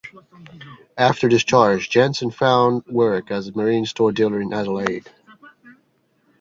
After discharge, Jensen found work as a marine store dealer in Adelaide.